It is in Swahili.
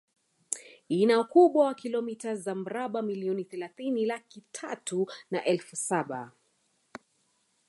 Ina ukubwa wa kilomita za mraba milioni thelathini laki tatu na elfu sabini